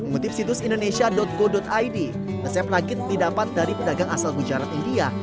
mengutip situs indonesia go id resep rakit didapat dari pedagang asal gujarat india